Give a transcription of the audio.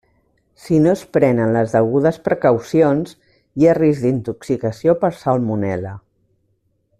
Si no es prenen les degudes precaucions, hi ha risc d'intoxicació per salmonel·la.